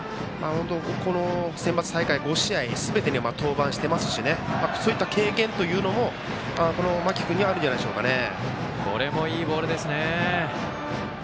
センバツ大会５試合すべてに登板していますしそういった経験というのもこの間木君にはあるんじゃないでしょうかね。